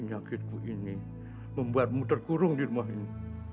penyakitmu ini membuatmu terkurung di rumah ini